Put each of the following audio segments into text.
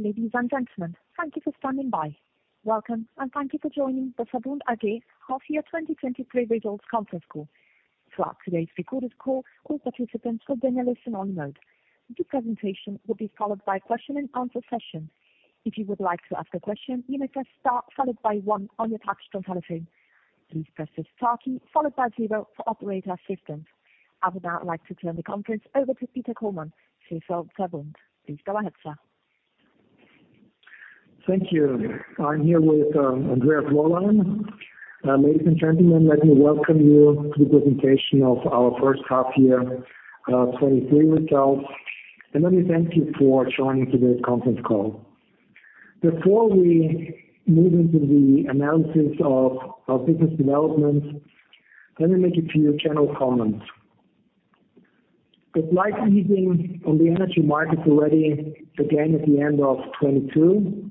Ladies and gentlemen, thank you for standing by. Welcome, and thank you for joining the VERBUND AG Half Year 2023 Results Conference Call. Throughout today's recorded call, all participants will be in listen-only mode. The presentation will be followed by a question and answer session. If you would like to ask a question, you may press star one on your touchtone telephone. Please press star zero for operator assistance. I would now like to turn the conference over to Peter Kollmann, CFO of VERBUND. Please go ahead, sir. Thank you. I'm here with Andreas Wollein. Ladies and gentlemen, let me welcome you to the presentation of our first half year 2023 results. Let me thank you for joining today's conference call. Before we move into the analysis of our business development, let me make a few general comments. The slight easing on the energy markets already began at the end of 2022,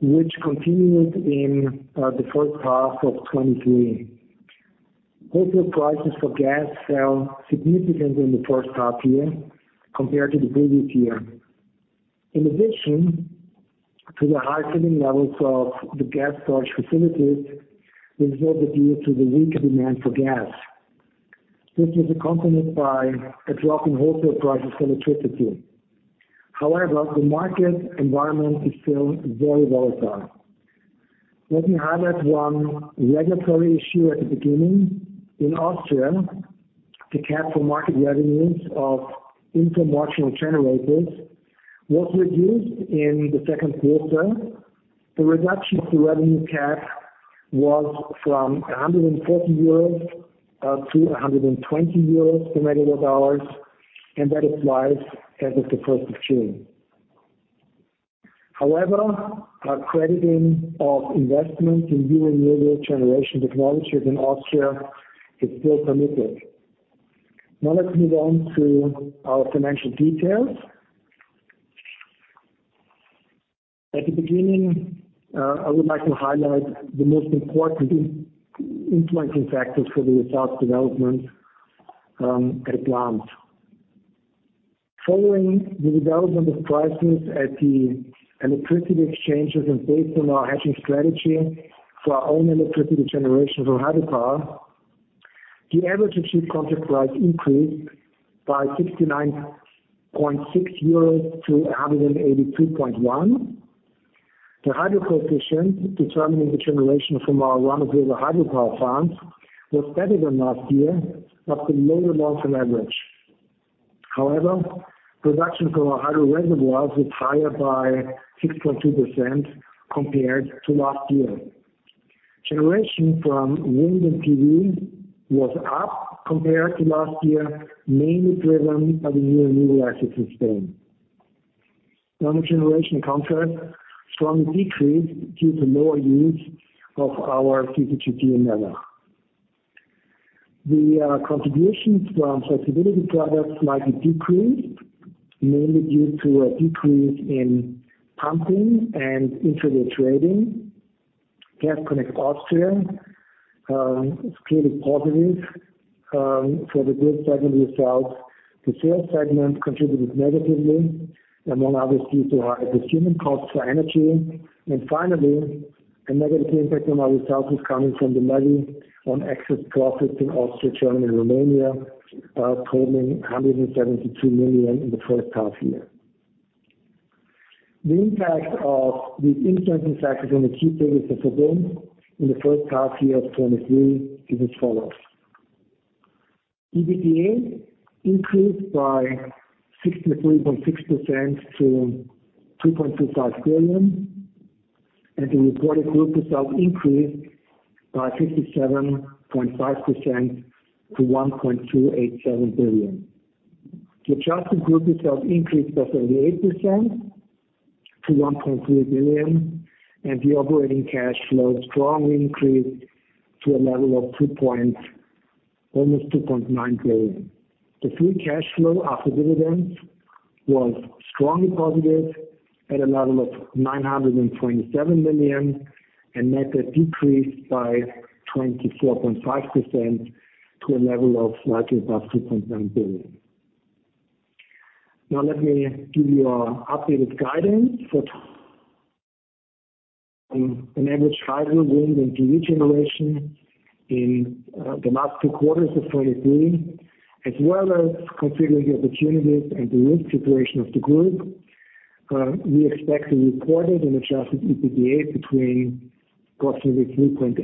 which continued in the first half of 2023. Wholesale prices for gas fell significantly in the first half year compared to the previous year. In addition to the high filling levels of the gas storage facilities, which was due to the weaker demand for gas. This was accompanied by a drop in wholesale prices for electricity. The market environment is still very volatile. Let me highlight one regulatory issue at the beginning. In Austria, the cap for market revenues of international generators was reduced in the second. The reduction to revenue cap was from 140 euros to 120 euros per MWh, and that applies as of the 1st of June. Our crediting of investments in renewable generation technologies in Austria is still permitted. Let's move on to our financial details. At the beginning, I would like to highlight the most important influencing factors for the results development at VERBUND. Following the development of prices at the electricity exchanges and based on our hedging strategy for our own electricity generation from hydropower, the average achieved contract price increased by 69.6 euros to 182.1. The hydro coefficient, determining the generation from our run-of-river hydropower plants, was better than last year, but below the long-term average. However, production from our hydro reservoirs was higher by 6.2% compared to last year. Generation from wind and PV was up compared to last year, mainly driven by the new renewable assets in Spain. Other generation contracts strongly decreased due to lower use of our CCGT in Mellach. The contributions from flexibility products slightly decreased, mainly due to a decrease in pumping and intraday trading. Gas Connect Austria stayed positive for the group segment results. The sales segment contributed negatively, among others, due to higher procurement costs for energy. Finally, a negative impact on our results is coming from the levy on excess profits in Austria, Germany, and Romania, totaling 172 million in the first half year. The impact of these influencing factors on the key figures of VERBUND in the first half year of 2023 is as follows: EBITDA increased by 63.6% to 2.25 billion, and the reported group results increased by 57.5% to 1.287 billion. The adjusted group results increased by 38% to 1.3 billion, and the operating cash flow strongly increased to a level of almost 2.9 billion. The free cash flow after dividends was strongly positive at a level of 927 million, and net debt decreased by 24.5% to a level of slightly above 2.9 billion. Let me give you our updated guidance for an average hydro, wind and PV generation in the last two quarters of 2023, as well as considering the opportunities and the risk situation of the group. We expect the reported and adjusted EBITDA between approximately 3.8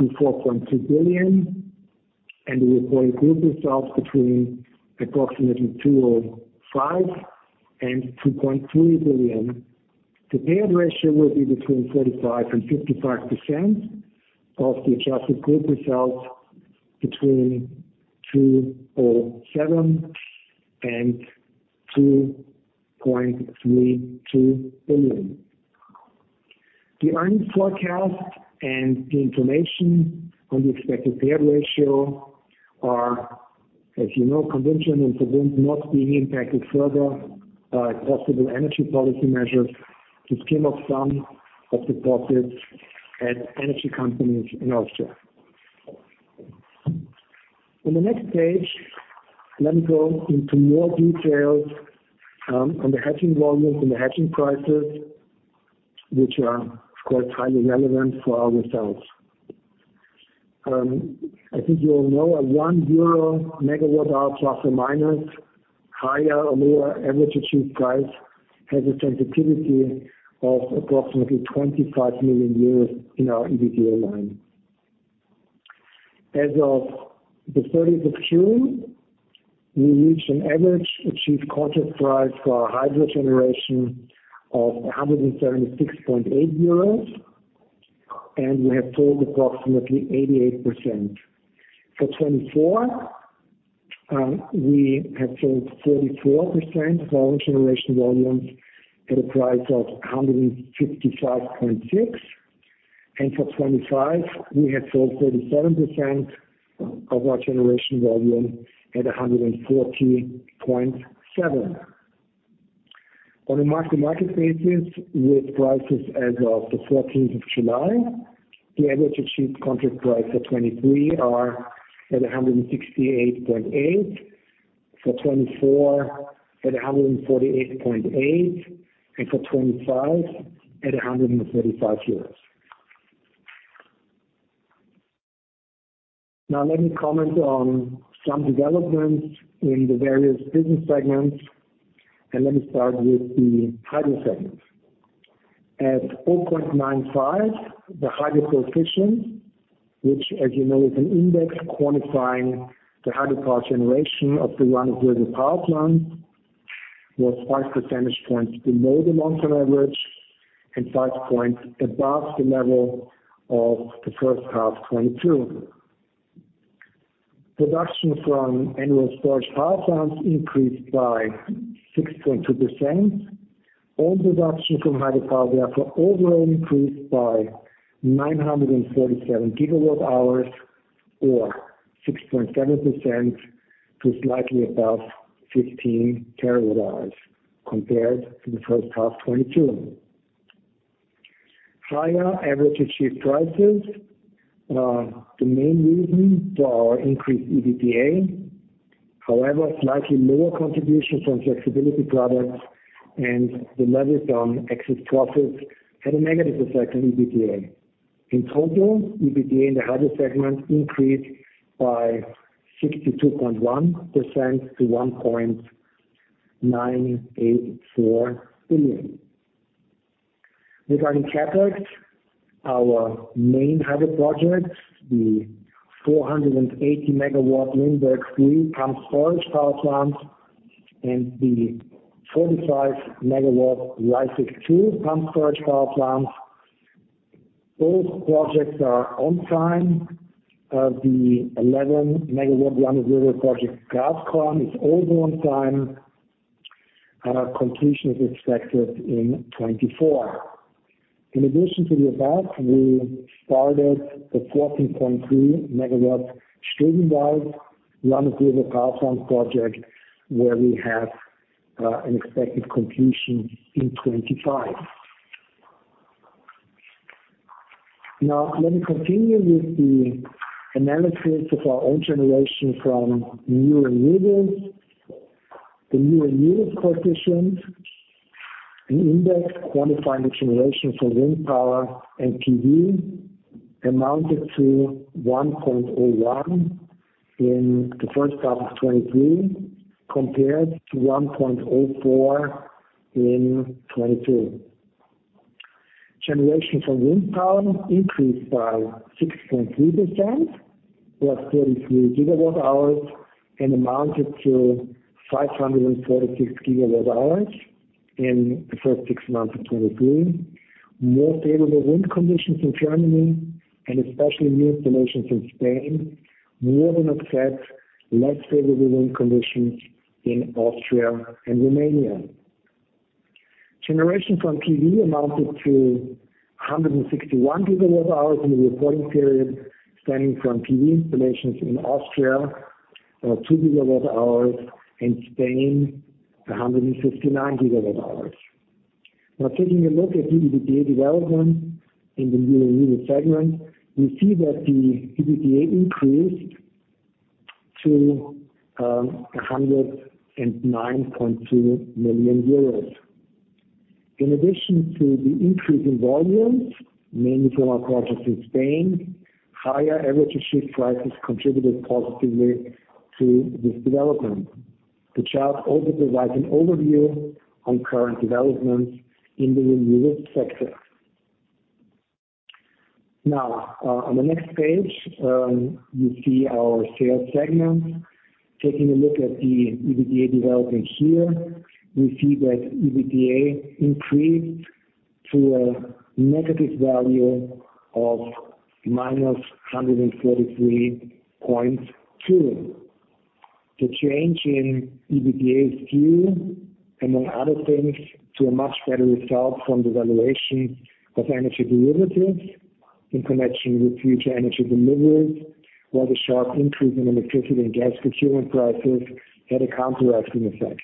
billion-4.2 billion, and the reported group results between approximately 2.05 billion and 2.3 billion. The payout ratio will be between 45% and 55% of the adjusted group results, between 2.07 billion and 2.32 billion. The earnings forecast and the information on the expected payout ratio are, as you know, contingent on VERBUND not being impacted further by possible energy policy measures to skim off some of the profits at energy companies in Austria. On the next page, let me go into more details on the hedging volumes and the hedging prices, which are, of course, highly relevant for our results. I think you all know a 1 euro megawatt hour plus or minus, higher or lower average achieved price, has a sensitivity of approximately 25 million in our EBITDA line. As of the 13th of June, we reached an average achieved contract price for our hydro generation of 176.8 euros, and we have sold approximately 88%. For 2024, we have sold 34% of our generation volumes at a price of 155.6, and for 2025, we have sold 37% of our generation volume at 140.7. On a mark-to-market basis, with prices as of the 14th of July, the average achieved contract price for 2023 are at 168.8, for 2024, at 148.8, and for 2025, at 135 euros. Let me comment on some developments in the various business segments, and let me start with the hydro segment. At 0.95, the hydro coefficient, which, as you know, is an index quantifying the hydropower generation of the run-of-river power plant, was 5 percentage points below the long-term average and five points above the level of the first half 2022. Production from annual storage power plants increased by 6.2%. All production from hydropower, therefore, overall increased by 947 GW hours, or 6.7%, to slightly above 15 TW hours, compared to the first half 2022. Higher average achieved prices are the main reason for our increased EBITDA. Slightly lower contributions from flexibility products and the levies on excess profits had a negative effect on EBITDA. In total, EBITDA in the hydro segment increased by 62.1% to EUR 1.984 billion. Regarding CapEx, our main hydro project, the 480 MW Limberg III pumped storage power plant and the 45 MW Reisseck II pumped storage power plant, both projects are on time. The 11 MW run-of-river project, Graz, is also on time, and our completion is expected in 2024. In addition to the above, we started the 14.3 MW Stegenwald run-of-river power plant project, where we have an expected completion in 2025. Let me continue with the analysis of our own generation from new renewables. The new renewables coefficient, an index quantifying the generation from wind power and PV, amounted to 1.01 in the first half of 2023, compared to 1.04 in 2022. Generation from wind power increased by 6.3%, plus 33 GW hours, and amounted to 536 GW hours in the first six months of 2023. More favorable wind conditions in Germany and especially new installations in Spain, more than offset less favorable wind conditions in Austria and Romania. Generation from PV amounted to 161 GW hours in the reporting period, stemming from PV installations in Austria, 2 GW hours, and Spain, 159 GW hours. Now, taking a look at EBITDA development in the new renewables segment, we see that the EBITDA increased to 109.2 million euros. In addition to the increase in volumes, mainly from our projects in Spain, higher average achieved prices contributed positively to this development. The chart also provides an overview on current developments in the renewables sector. Now, on the next page, you see our sales segment. Taking a look at the EBITDA development here, we see that EBITDA increased to a negative value of minus 143.2. The change in EBITDA is due, among other things, to a much better result from the valuation of energy derivatives in connection with future energy deliveries, while the sharp increase in electricity and gas procurement prices had a counteracting effect.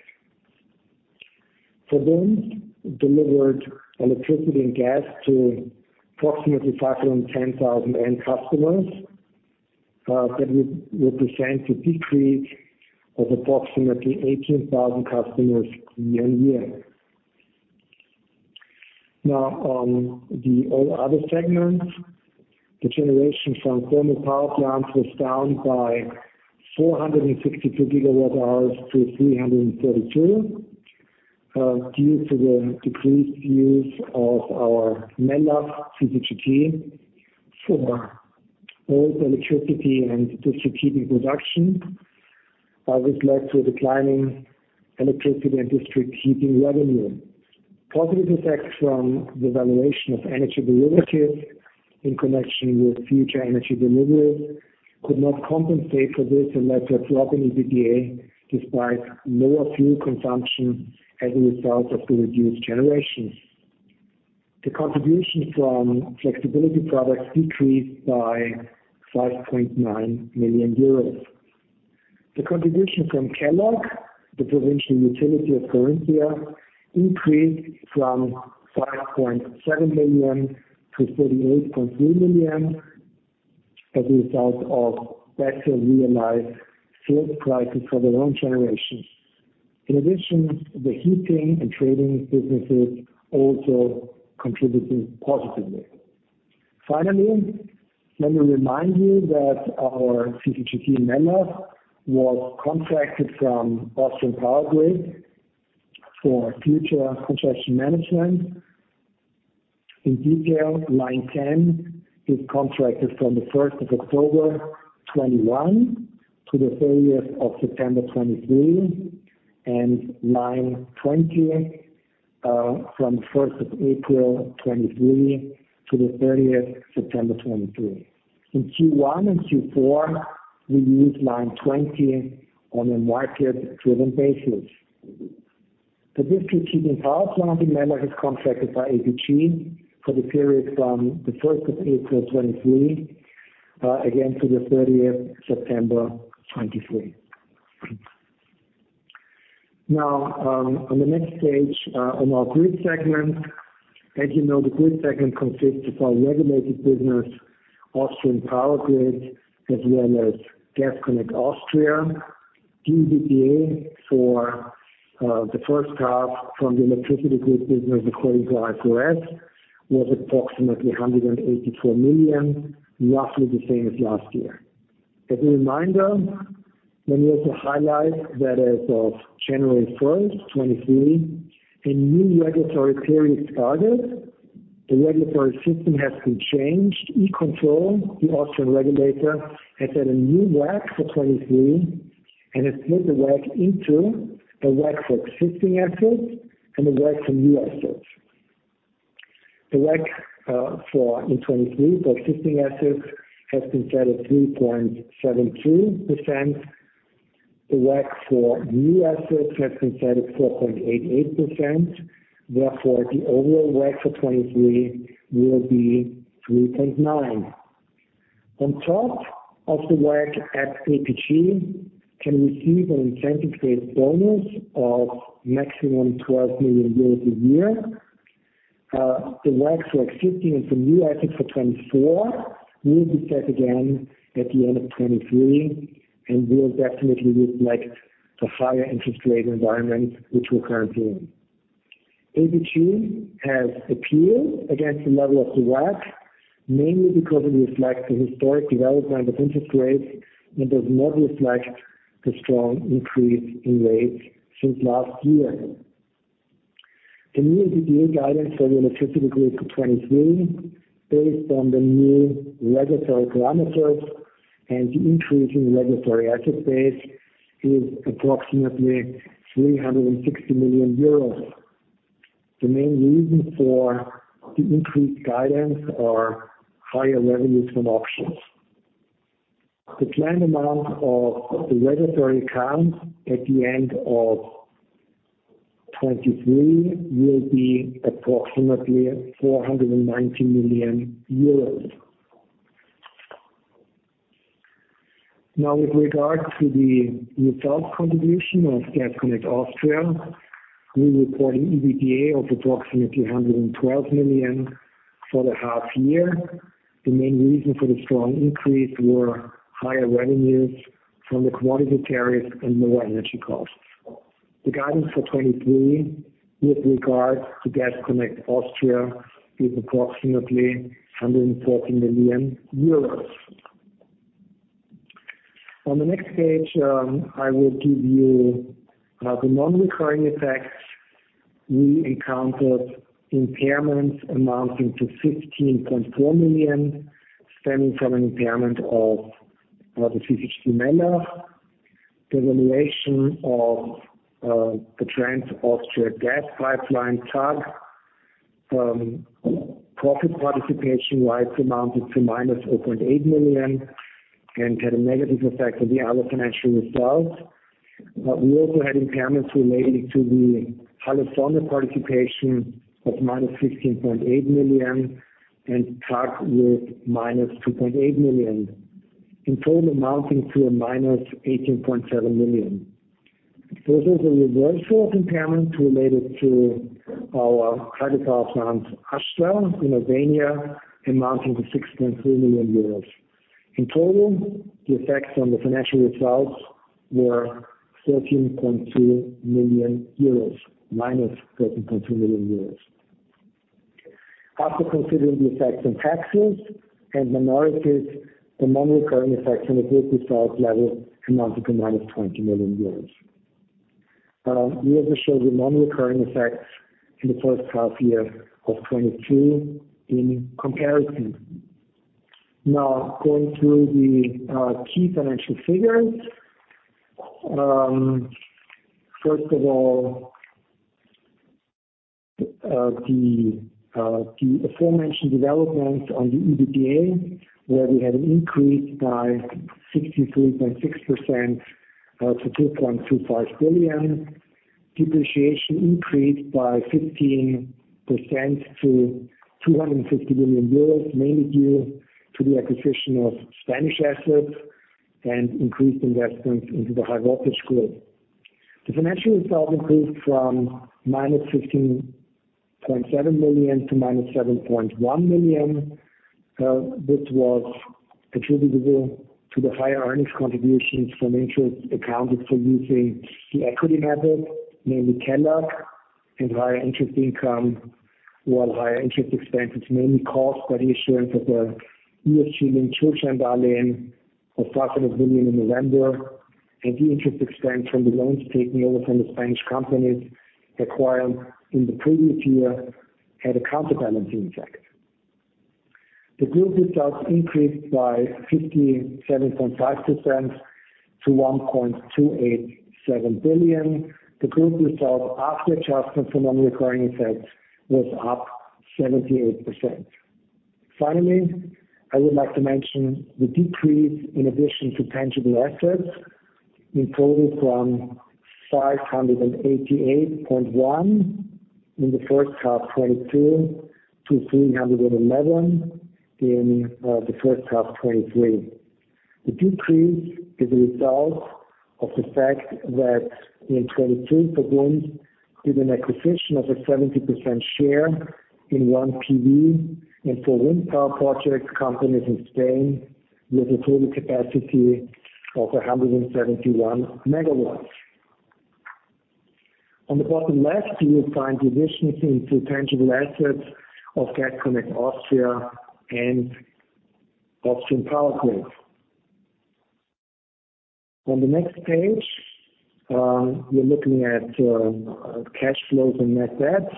For them, delivered electricity and gas to approximately 510,000 end customers, that would represent a decrease of approximately 18,000 customers year-on-year. Now, on the all other segments, the generation from thermal power plants was down by 462 GW hours to 332, due to the decreased use of our Mellach CCGT for both electricity and district heating production. This led to a declining electricity and district heating revenue. Positive effects from the valuation of energy derivatives in connection with future energy deliveries could not compensate for this and led to a drop in EBITDA, despite lower fuel consumption as a result of the reduced generation. The contribution from flexibility products decreased by 5.9 million euros. The contribution from Kelag, the provincial utility of Carinthia, increased from 5.7 million to 38.3 million as a result of better realized sales prices for their own generation. The heating and trading businesses also contributed positively. Finally, let me remind you that our CCGT Mellach was contracted from Austrian Power Grid for future congestion management. Line 10 is contracted from the 1st of October 2021 to the 30th of September 2023, and line 20 from the 1st of April 2023 to the 30th September 2023. In Q1 and Q4, we used line 20 on a market-driven basis. The district heating power plant in Mellach is contracted by APG for the period from the 1st of April 2023, again, to the 30th September 2023. On the next page, on our grid segment. As you know, the grid segment consists of our regulated business, Austrian Power Grid, as well as Gas Connect Austria. EBITDA for the first half from the electricity grid business, according to IFRS, was approximately 184 million, roughly the same as last year. As a reminder, let me also highlight that as of January 1st, 2023, a new regulatory period started. The regulatory system has been changed. E-Control, the Austrian regulator, has set a new WACC for 2023, has split the WACC into a WACC for existing assets and a WACC for new assets. The WACC for in 2023, for existing assets, has been set at 3.72%. The WACC for new assets has been set at 4.88%. Therefore, the overall WACC for 2023 will be 3.9%. On top of the WACC, APG can receive an incentive-based bonus of maximum 12 million euros a year. The WACC for existing and for new assets for 2024 will be set again at the end of 2023 and will definitely reflect the higher interest rate environment, which we're currently in. APG has appealed against the level of the WACC, mainly because it reflects the historic development of interest rates and does not reflect the strong increase in rates since last year. The new EBITDA guidance for the electricity grid for 2023, based on the new regulatory parameters and the increase in regulatory asset base, is approximately 360 million euros. The main reason for the increased guidance are higher revenues from options. The planned amount of the regulatory income at the end of 2023 will be approximately EUR 490 million. With regard to the results contribution of Gas Connect Austria, we report an EBITDA of approximately 112 million for the half year. The main reason for the strong increase were higher revenues from the quantitative tariffs and lower energy costs. The guidance for 2023, with regard to Gas Connect Austria, is approximately 114 million euros. On the next page, I will give you the non-recurring effects. We encountered impairments amounting to 15.4 million, stemming from an impairment of the CCGT Mellach. The valuation of the Trans Austria Gas Pipeline, TAG, profit participation-wide, amounted to -0.8 million and had a negative effect on the other financial results. We also had impairments related to the Hales-Bursa participation of -16.8 million and TAG with -2.8 million. In total amounting to -18.7 million. There was a reversal of impairment related to our hydropower plant, Ashta in Albania, amounting to 6.3 million euros. In total, the effects on the financial results were 13.2 million euros, -13.2 million euros. After considering the effects on taxes and minorities, the non-recurring effects on the group results level amounted to -20 million. We also show the non-recurring effects in the first half year of 2022 in comparison. Now, going through the key financial figures. First of all, the aforementioned developments on the EBITDA, where we had an increase by 63.6%, to 2.25 billion. Depreciation increased by 15% to 250 billion euros, mainly due to the acquisition of Spanish assets and increased investments into the High Voltage Group. The financial result increased from -15.7 million to -7.1 million. This was attributable to the higher earnings contributions from interest accounted for using the equity method, mainly Teldoc and higher interest income, while higher interest expenses, mainly caused by the issuance of the ESG-linked Schuldschein and EUR 500 million in November, and the interest expense from the loans taken over from the Spanish companies acquired in the previous year, had a counterbalancing effect. The group results increased by 57.5% to 1.287 billion. The group results, after adjustment for non-recurring effects, was up 78%. Finally, I would like to mention the decrease in addition to tangible assets, in total from 588.1 million in the first half 2022, to 311 million in the first half 2023. The decrease is a result of the fact that in 2022, VERBUND did an acquisition of a 70% share in one PV, and for wind power projects, companies in Spain, with a total capacity of 171 MW. On the bottom left, you will find the additions into tangible assets of Gas Connect Austria and Austrian Power Grid. On the next page, we're looking at cash flows and net debt.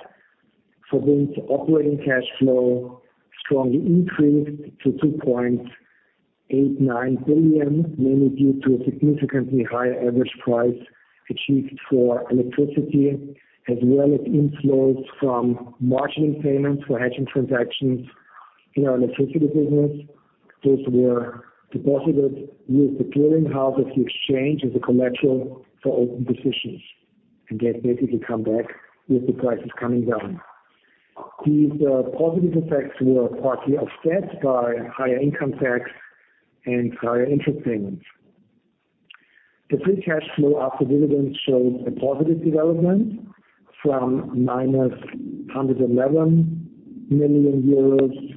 For VERBUND, operating cash flow strongly increased to 2.89 billion, mainly due to a significantly higher average price achieved for electricity, as well as inflows from margining payments for hedging transactions in our electricity business. Those were deposited with the clearing house as the exchange as a collateral for open positions, they basically come back with the prices coming down. These positive effects were partly offset by higher income tax and higher interest payments. The free cash flow after dividends showed a positive development from -111 million euros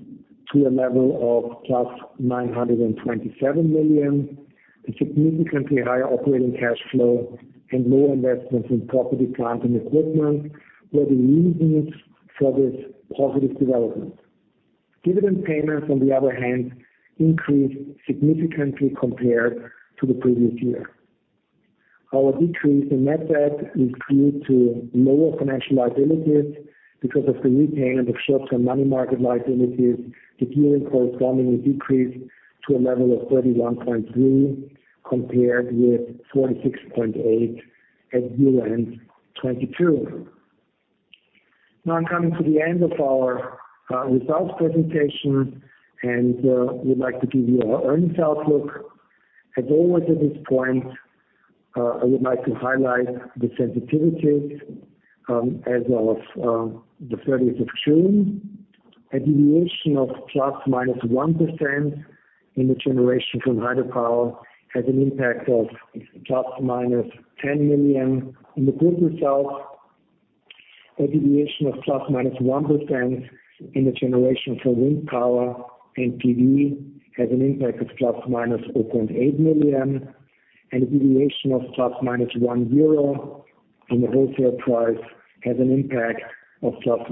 to a level of +927 million. The significantly higher operating cash flow and low investments in property, plant, and equipment were the reasons for this positive development. Dividend payments, on the other hand, increased significantly compared to the previous year. Our decrease in net debt is due to lower financial liabilities because of the repayment of short-term money market liabilities, the gearing correspondingly decreased to a level of 31.3, compared with 46.8 at year-end 2022. Now, I'm coming to the end of our results presentation, and we'd like to give you our earnings outlook. As always, at this point, I would like to highlight the sensitivities, as of the 30th of June. A deviation of ±1% in the generation from hydropower has an impact of ±10 million in the group results. A deviation of ±1% in the generation for wind power and PV has an impact of ±0.8 million. A deviation of ±1 euro on the wholesale price has an impact of ±2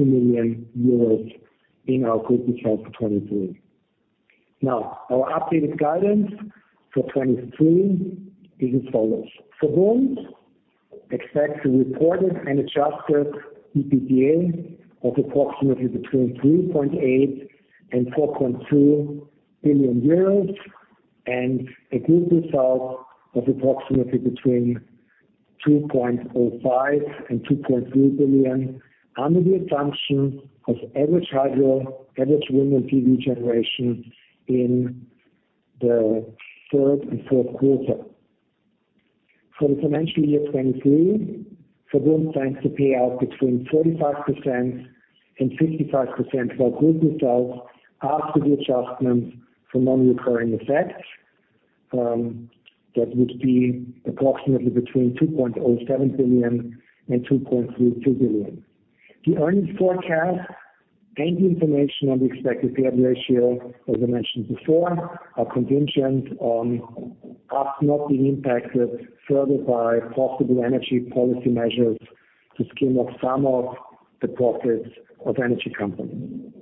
million euros in our group results for 2023. Now, our updated guidance for 2023 is as follows: VERBUND expects to report an adjusted EBITDA of approximately between 3.8 billion-4.2 billion euros, and a group result of approximately between 2.05 billion-2.3 billion, under the assumption of average hydro, average wind and PV generation in the third and fourth quarter. For the financial year 2023, for those banks to pay out between 45%-55% of our good results after the adjustments for non-recurring effects, that would be approximately between 2.07 billion-2.32 billion. The earnings forecast and the information on the expected payout ratio, as I mentioned before, are contingent on us not being impacted further by possible energy policy measures to skim off some of the profits of energy companies.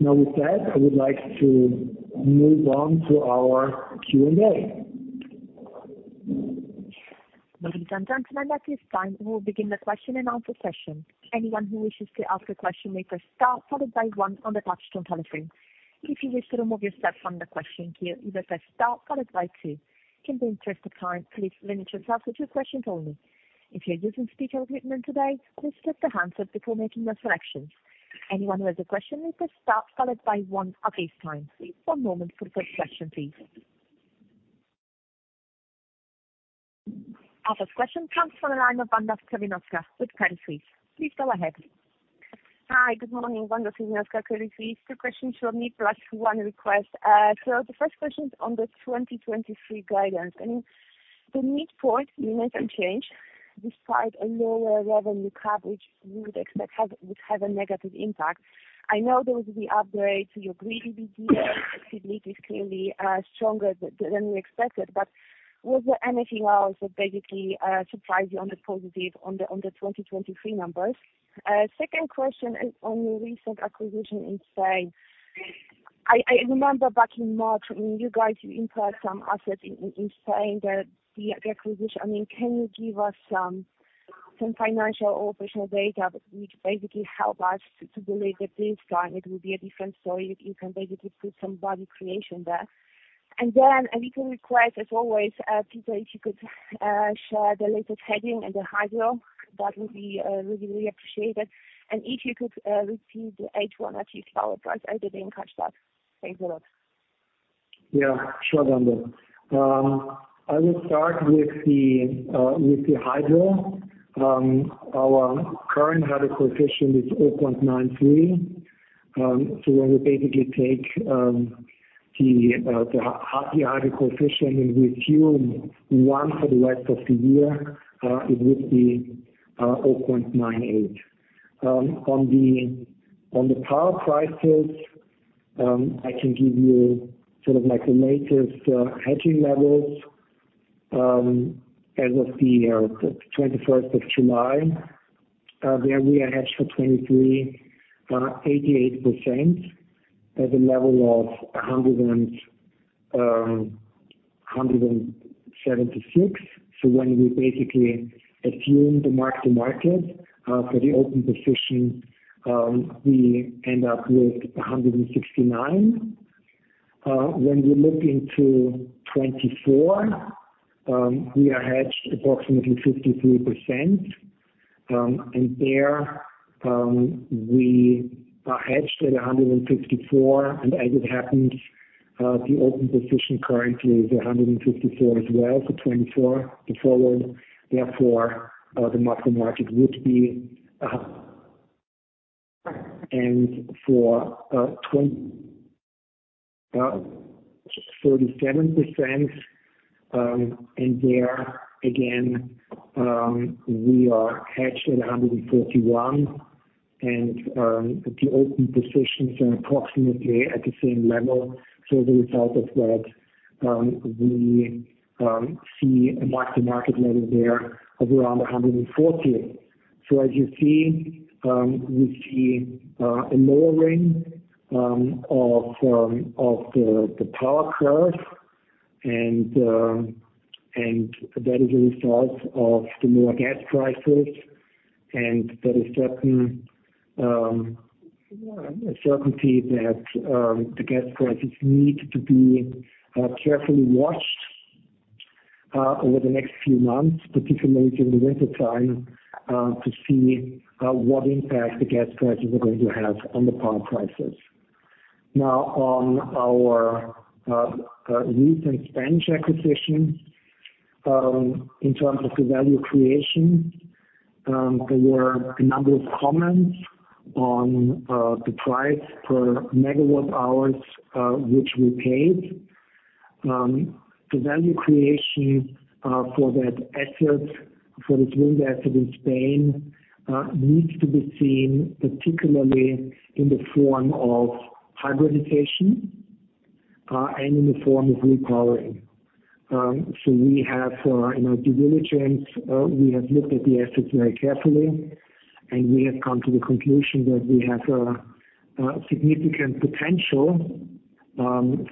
With that, I would like to move on to our Q&A. Ladies and gentlemen, at this time, we'll begin the question and answer session. Anyone who wishes to ask a question may press star followed by one on the touchtone telephone. If you wish to remove yourself from the questioning queue, either press star followed by two. In the interest of time, please limit yourself to two questions only. If you're using speaker equipment today, please lift the handset before making your selections. Anyone who has a question, may press star followed by 1 at this time. Please 1 moment for the first question, please. Our first question comes from the line of Wanda Serwinowska with Credit Suisse. Please go ahead. Hi, good morning. Wanda Serwinowska, Credit Suisse. Two questions from me, plus one request. The first question is on the 2023 guidance. I mean, the midpoint unit and change, despite a lower revenue coverage, we would expect would have a negative impact. I know there will be upgrades to your green EBITDA. Activity is clearly stronger than we expected, but was there anything else that basically surprised you on the positive on the 2023 numbers? Second question is on the recent acquisition in Spain. I remember back in March, I mean, you guys, you incurred some assets in saying that the acquisition. I mean, can you give us some financial or operational data which basically help us to believe that this time it will be a different story, if you can basically put some value creation there. A little request, as always, Peter, if you could share the latest heading in the hydro, that would be really appreciated. If you could repeat the H1 achieve power price, I didn't catch that. Thanks a lot. Yeah, sure, Wanda. I will start with the hydro. Our current Hydro Coefficient is 0.93. When we basically take the Hydro Coefficient, we assume one for the rest of the year, it would be 0.98. On the power prices, I can give you sort of like the latest hedging levels. As of the 21st of July, there we are hedged for 23, 88% at a level of 176. When we basically assume the Mark-to-Market for the open position, we end up with 169. When we look into 2024, we are hedged approximately 53%, and there we are hedged at 154. The open position currently is 154 as well, for 2024, the forward. The mark-to-market would be, and for 2037, 37%, and there again, we are hedged at 141, and the open positions are approximately at the same level. We see a mark-to-market level there of around 140. We see a lowering of the power curve, and that is a result of the lower gas prices. That is certain, a certainty that the gas prices need to be carefully watched over the next few months, particularly in the wintertime, to see what impact the gas prices are going to have on the power prices. On our recent Spanish acquisition, in terms of the value creation, there were a number of comments on the price per megawatt hours which we paid. The value creation for that asset, for this wind asset in Spain, needs to be seen particularly in the form of hybridization and in the form of repowering. We have, in our due diligence, we have looked at the assets very carefully, and we have come to the conclusion that we have a significant potential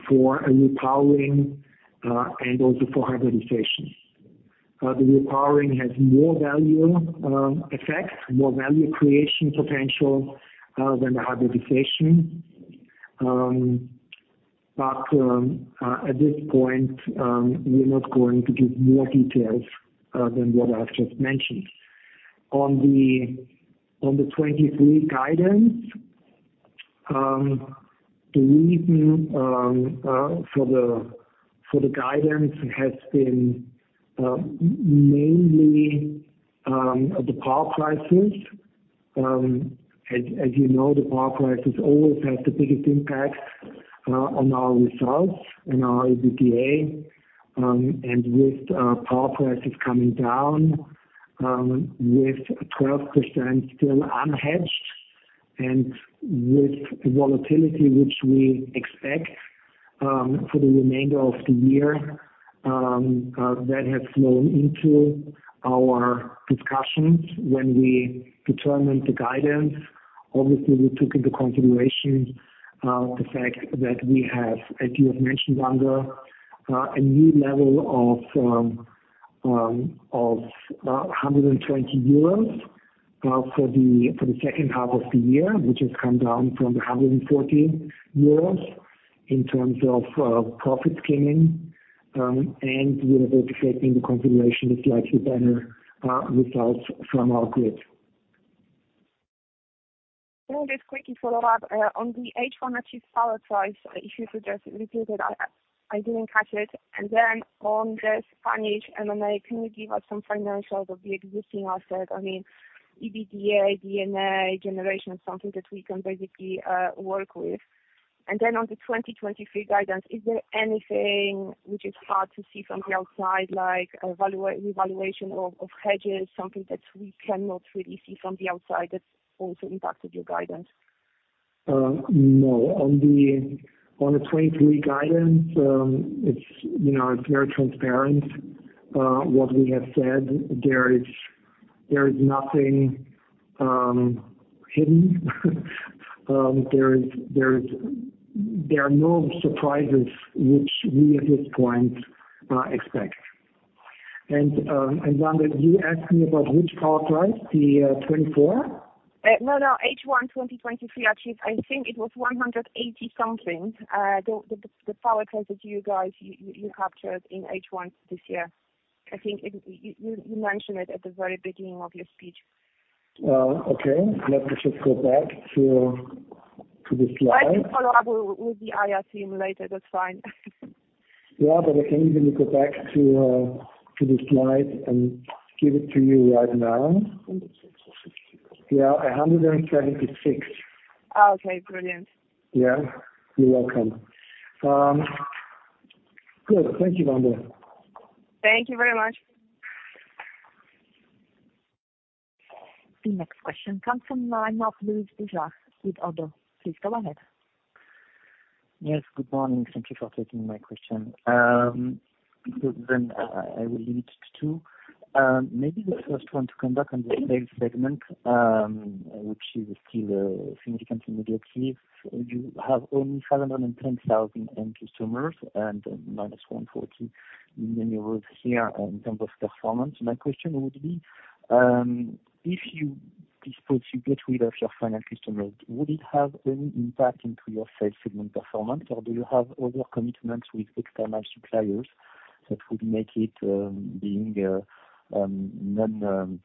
for a repowering and also for hybridization. The repowering has more value effect, more value creation potential than the hybridization. At this point, we're not going to give more details than what I've just mentioned. On the 23 guidance? The reason for the guidance has been mainly the power prices. As you know, the power prices always have the biggest impact on our results and our EBITDA. With power prices coming down, with 12% still unhedged and with volatility, which we expect for the remainder of the year, that has flown into our discussions when we determine the guidance. Obviously, we took into consideration the fact that we have, as you have mentioned, Wanda, a new level of 120 euros for the second half of the year, which has come down from the 140 euros in terms of profit skimming. We are also taking into consideration the slightly better results from our grid. Just a quick follow-up on the H1 achieved power price. If you could just repeat it, I didn't catch it. On the Spanish M&A, can you give us some financials of the existing assets? I mean, EBITDA, D&A, generation, something that we can basically work with. On the 2023 guidance, is there anything which is hard to see from the outside, like a revaluation of hedges, something that we cannot really see from the outside that also impacted your guidance? No. On the 2023 guidance, it's, you know, it's very transparent what we have said. There is nothing hidden. There are no surprises which we, at this point, expect. Wanda, you asked me about which power price, the 2024? H1 2023, actually, I think it was 180 something. The power price that you guys captured in H1 this year. I think you mentioned it at the very beginning of your speech. Okay. Let me just go back to the slide. I can follow up with the IR team later. That's fine. I can even go back to the slide and give it to you right now. 176. Okay, brilliant. Yeah. You're welcome. good. Thank you, Vanda. Thank you very much. The next question comes from line of Louis Boujard with Oddo. Please go ahead. Yes, good morning. Thank you for taking my question. I will limit it to two. Maybe the first one to come back on the sales segment, which is still significantly negative. You have only 510,000 end customers and -140 million euros here in terms of performance. My question would be, if you suppose you get rid of your final customers, would it have any impact into your sales segment performance, or do you have other commitments with external suppliers that would make it being non-min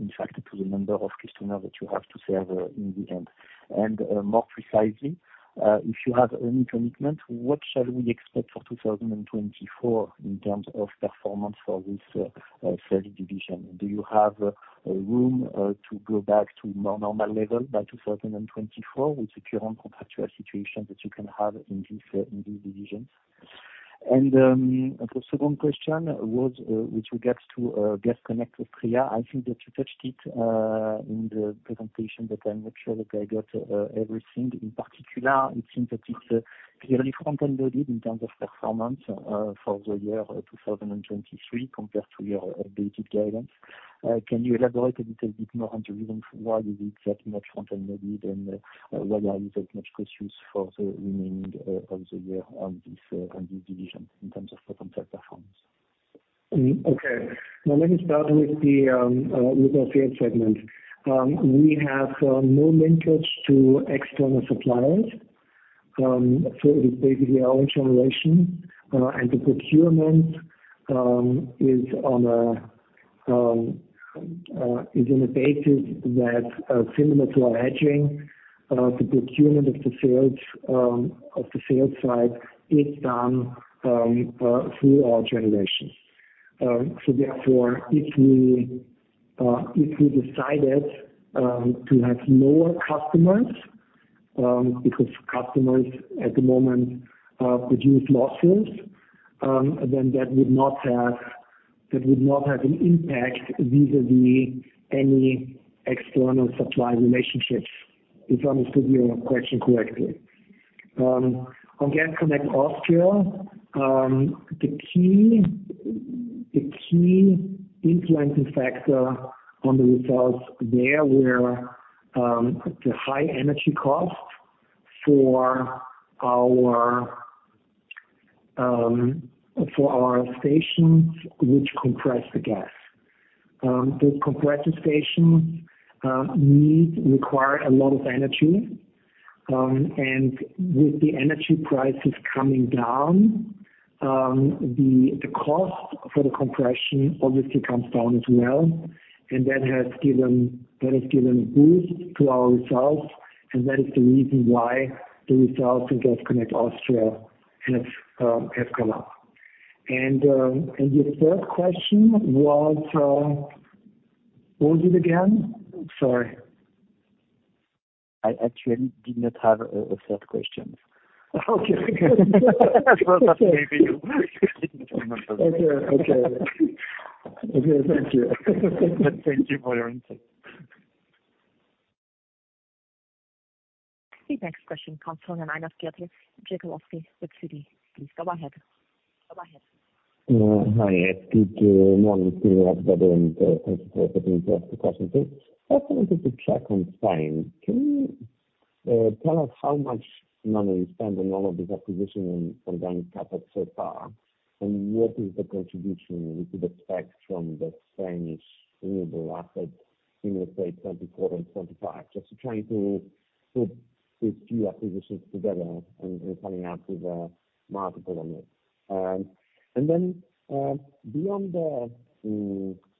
impacted to the number of customers that you have to serve in the end? More precisely, if you have any commitment, what shall we expect for 2024 in terms of performance for this sales division? Do you have room to go back to more normal level by 2024 with the current contractual situation that you can have in this division? The second question was with regards to Gas Connect Austria. I think that you touched it in the presentation, but I'm not sure that I got everything. In particular, it seems that it's clearly front-end loaded in terms of performance for the year 2023, compared to your updated guidance. Can you elaborate a little bit more on the reason why is it that much front-end loaded and why are you that much cautious for the remaining of the year on this division in terms of contract performance? Okay. Now, let me start with the with our sales segment. We have no linkage to external suppliers, so it's basically our own generation. The procurement is in a basis that similar to our hedging, the procurement of the sales side is done through our generation. Therefore, if we decided to have more customers, because customers at the moment reduce losses, then that would not have an impact vis-a-vis any external supply relationships, if I understood your question correctly. On Gas Connect Austria, the key influencing factor on the results there were the high energy costs for our for our stations, which compress the gas. Those compressive stations require a lot of energy. With the energy prices coming down, the cost for the compression obviously comes down as well, and that has given a boost to our results, and that is the reason why the results in Gas Connect Austria have come up. Your third question was, what was it again? Sorry. I actually did not have a third question. Okay. Well, that maybe you didn't remember. Okay. Okay. Thank you. Thank you for your answer. The next question comes from the line of Gabriel Gifoli with Citi. Please go ahead. Go ahead. Hi. It's good morning to you everybody, thanks for taking the question today. I just wanted to check on Spain. Can you tell us how much money you spent on all of these acquisitions and from then cut so far? What is the contribution we could expect from the Spanish renewable assets in let's say, 2024 and 2025? Just trying to put these two acquisitions together and coming up with a multiple on it. Beyond the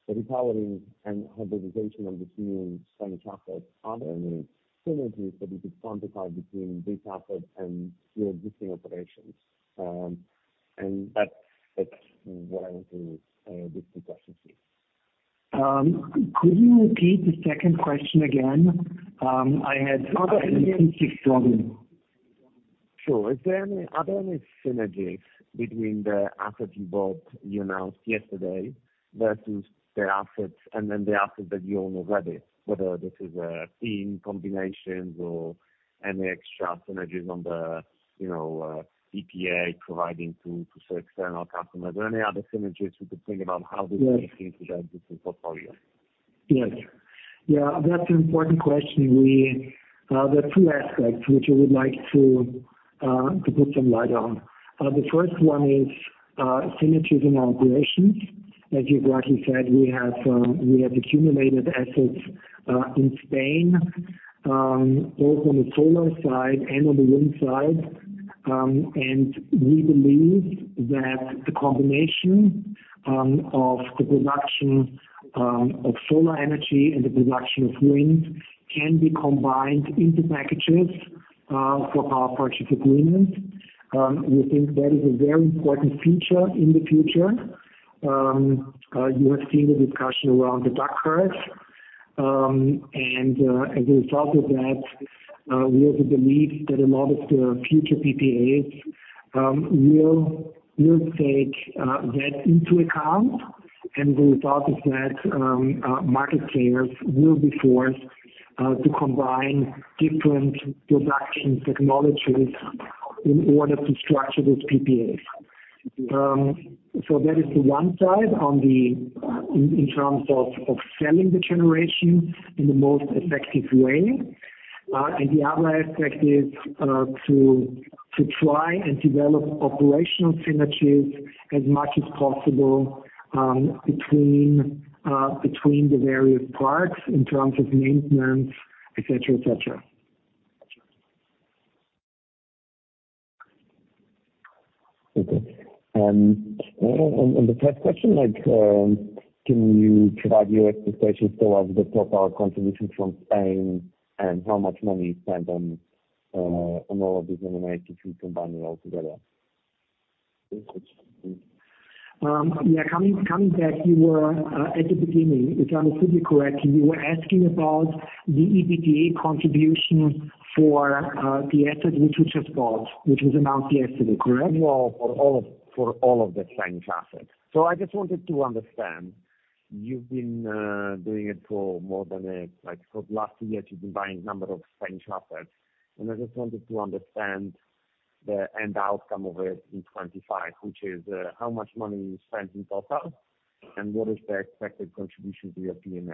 repowering and hybridization of the team Spanish assets, are there any synergies that we could quantify between these assets and your existing operations? That's what I wanted these two questions to you. Could you repeat the second question again? Sure. Are there any synergies between the assets you bought, you announced yesterday, versus the assets and then the assets that you own already? Whether this is team combinations or any extra synergies on the, you know, EPA providing to external customers. Are there any other synergies we could think about how this fits into that different portfolio? Yes. Yeah, that's an important question. We, there are two aspects which I would like to to put some light on. The first one is synergies in operations. As you've rightly said, we have accumulated assets in Spain, both on the solar side and on the wind side. We believe that the combination of the production of solar energy and the production of wind can be combined into packages for power purchase agreement. We think that is a very important feature in the future. You have seen the discussion around the duck curve. As a result of that, we also believe that a lot of the future PPAs will take that into account. The result is that market players will be forced to combine different production technologies in order to structure those PPAs. That is the one side on the in terms of selling the generation in the most effective way. The other aspect is to try and develop operational synergies as much as possible between the various parts in terms of maintenance, et cetera, et cetera. Okay. The third question, like, can you provide your expectations towards the top power contribution from Spain, and how much money you spent on all of this M&A, if you combine it all together? Coming back, you were at the beginning, if I understood you correctly, you were asking about the EBITDA contribution for the assets which we just bought, which was announced yesterday, correct? Well, for all of the Spanish assets. I just wanted to understand. You've been doing it for more than for the last two years, you've been buying a number of Spanish assets, and I just wanted to understand the end outcome of it in 2025, which is how much money you spent in total, and what is the expected contribution to your P&L?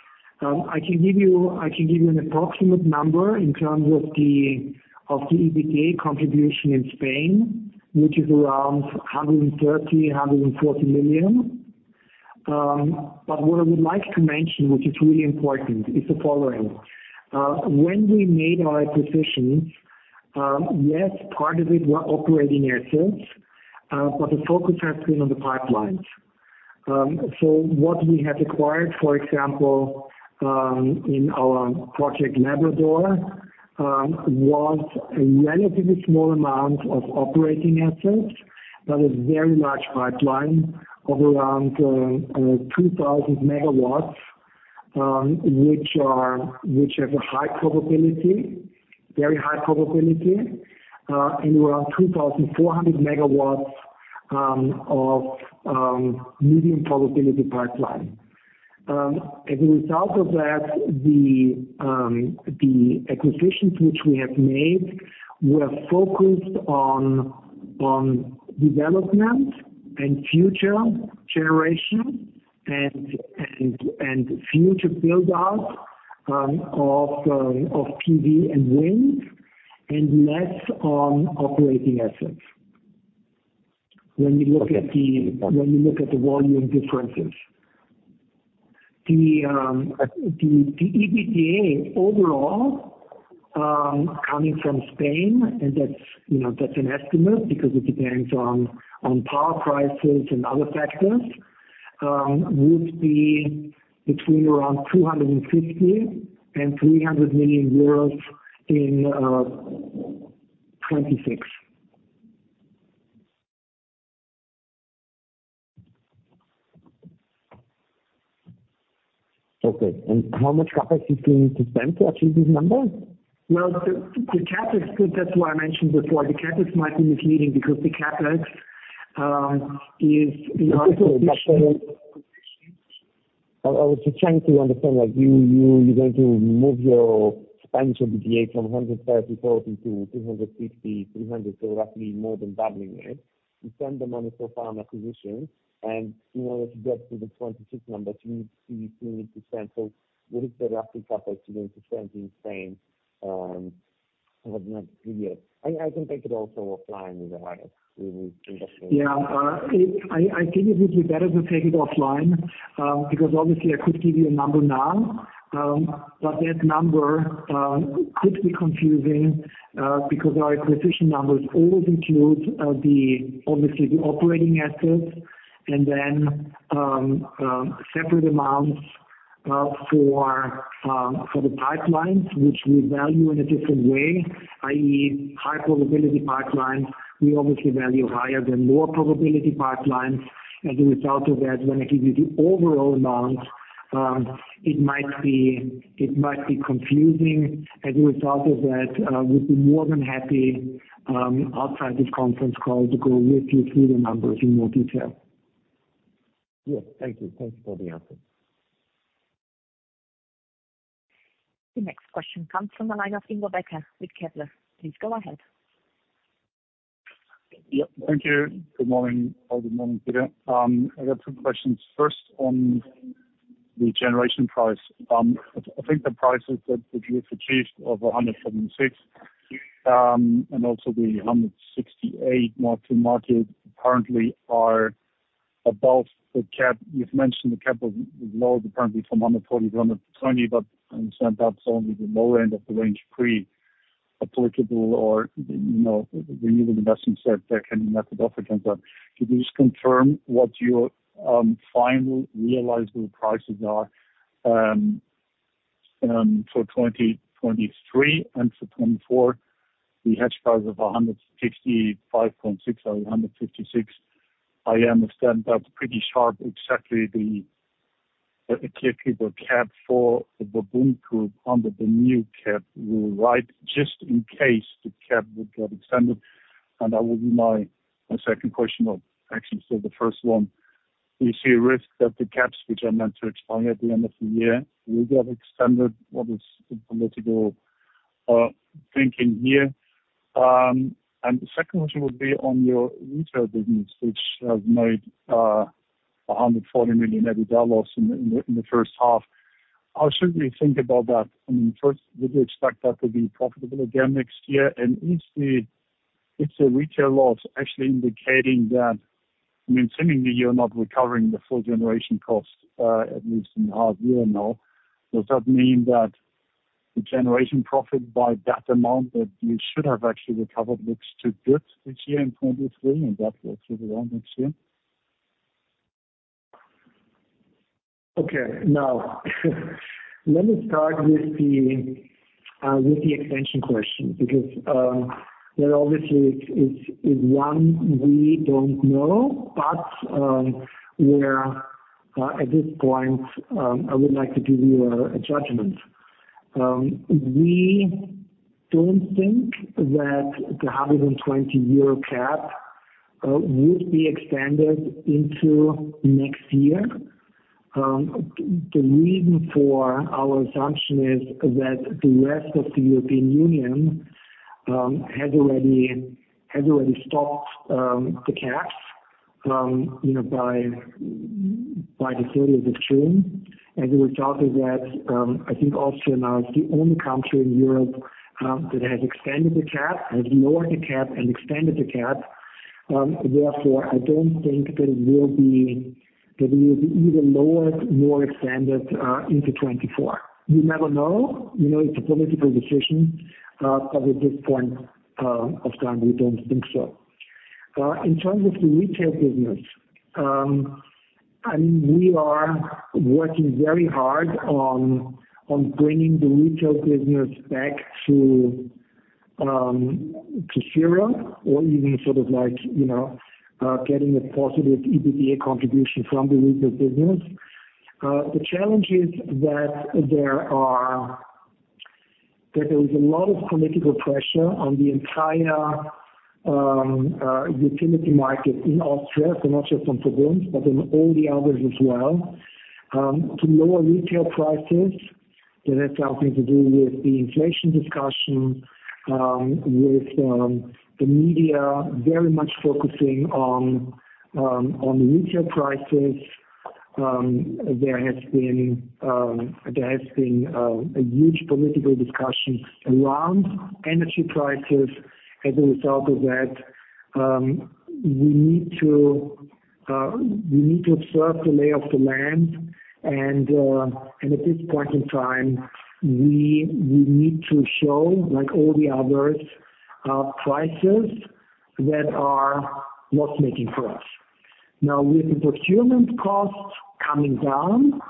I can give you an approximate number in terms of the EBITDA contribution in Spain, which is around 130 million-140 million. What I would like to mention, which is really important, is the following. When we made our acquisitions, yes, part of it were operating assets, the focus has been on the pipelines. What we have acquired, for example, in our project Spain, was a relatively small amount of operating assets, a very large pipeline of around 2,000 MW, which have a high probability, very high probability, and around 2,400 MW of medium probability pipeline. As a result of that, the acquisitions which we have made were focused on development and future generation and future build out of PV and wind, and less on operating assets. When you look at the volume differences. The EBITDA overall, coming from Spain, and that's, you know, that's an estimate because it depends on power prices and other factors, would be between around 250 million and 300 million euros in 2026. Okay, how much capacity do you need to spend to achieve these numbers? Well, the CapEx, that's why I mentioned before, the CapEx might be misleading because the CapEx is not. I was just trying to understand, like, you're going to move your expansion EBITDA from 130 million-140 million to 250 million-300 million, so roughly more than doubling it. You spend the money so far on acquisitions, and in order to get to the 2026 numbers, you need to spend. What is the roughly CapEx you're going to spend in Spain, but not clear yet? I think I could also offline with that. It would be interesting. Yeah. I think it would be better to take it offline, because obviously I could give you a number now, but that number could be confusing, because our acquisition numbers always include the obviously the operating assets, and then separate amounts for the pipelines, which we value in a different way, i.e., high probability pipelines, we obviously value higher than more probability pipelines. As a result of that, when I give you the overall amount, it might be confusing. As a result of that, we'd be more than happy outside this conference call to go with you through the numbers in more detail. Yes. Thank you. Thanks for the answer. The next question comes from the line of Ingo Becker with Kepler. Please go ahead. Thank you. Good morning. Good morning, Peter. I got two questions. First, on the generation price. I think the prices that you have achieved of 176, and also the 168 mark-to-market, currently are above the cap. You've mentioned the cap was lowered currently from 140 to 120, but I understand that's only the lower end of the range, pre-applicable, or, you know, renewable investment set that can methodological. Could you just confirm what your final realizable prices are for 2023 and for 2024, the hedge price of 165.6 or 156? I understand that's pretty sharp, exactly the clear people cap for the VERBUND group under the new cap. just in case the cap would get extended, and that will be my second question, or actually, the first one. Do you see a risk that the caps, which are meant to expire at the end of the year, will get extended? What is the political thinking here? The second question would be on your retail business, which has made 140 million net loss in the first half. How should we think about that? I mean, first, did you expect that to be profitable again next year? Is the retail loss actually indicating that, I mean, seemingly you're not recovering the full generation cost, at least in the half year now? Does that mean that the generation profit by that amount, that you should have actually recovered, looks too good this year in 2023, and that will go down next year? Okay. Now, let me start with the expansion question, because that obviously is one we don't know, but at this point, I would like to give you a judgment. We don't think that the 120 cap would be extended into next year. The reason for our assumption is that the rest of the European Union has already stopped the caps, you know, by the 30th of June. As a result of that, I think Austria now is the only country in Europe that has extended the cap, has lowered the cap and extended the cap. Therefore, I don't think there will be, that it will be even lower, more extended into 2024. You never know. You know, it's a political decision, but at this point of time, we don't think so. In terms of the retail business, and we are working very hard on bringing the retail business back to zero, or even sort of like, you know, getting a positive EBITDA contribution from the retail business. The challenge is that there is a lot of political pressure on the entire utility market in Austria, so not just on VERBUND, but on all the others as well, to lower retail prices. That has something to do with the inflation discussion, with the media very much focusing on the retail prices. There has been a huge political discussion around energy prices. As a result of that, we need to observe the lay of the land. At this point in time, we need to show, like all the others, prices that are not making for us. With the procurement costs coming down,